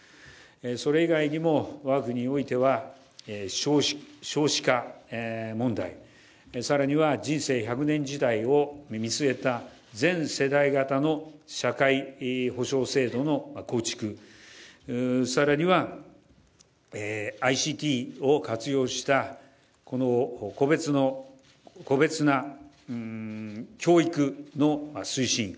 それ以外にも我が国においては少子化問題更には人生１００年時代を見据えた全世代型の社会保障制度の構築、更にはＩＣＴを活用したこの個別な教育の推進。